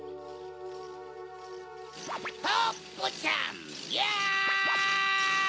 ポッポちゃんやい！